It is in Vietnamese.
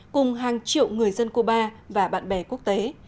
cùng hàng triệu người dân cuba và bạn bè quốc tế